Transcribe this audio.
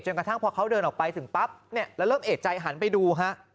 กระทั่งพอเขาเดินออกไปถึงปั๊บเนี่ยแล้วเริ่มเอกใจหันไปดูฮะ